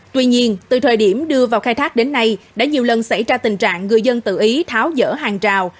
tuy nhiên từ thời điểm đưa vào khai thác đến nay đã nhiều lần xảy ra tình trạng người dân tự ý tháo dở hàng trào